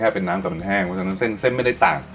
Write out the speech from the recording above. แค่เป็นน้ำแต่มันแห้งเพราะฉะนั้นเส้นไม่ได้ต่าง